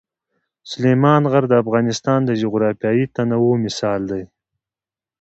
سلیمان غر د افغانستان د جغرافیوي تنوع مثال دی.